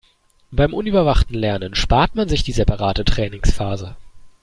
Beim unüberwachten Lernen spart man sich die separate Trainingsphase.